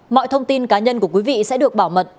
mọi thông tin cá nhân của quý vị sẽ được bảo mật